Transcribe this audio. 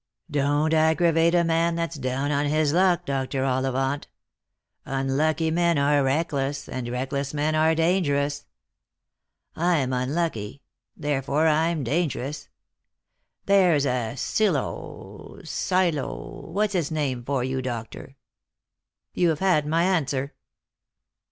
Don't aggravate a man that's down on his luck, Dr. Ollivant. Unlucky men are reckless, and reckless men are dangerous. I'm unlucky, therefore I'm danger ous. There's a syllo — syllo — what's its name for you, doctor." " You have had my answer."